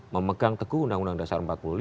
memegang teguh undang undang dasar empat puluh lima